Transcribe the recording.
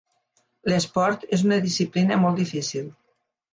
L'esport és una disciplina molt difícil.